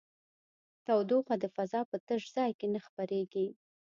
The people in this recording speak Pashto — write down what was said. تودوخه د فضا په تش ځای کې نه خپرېږي.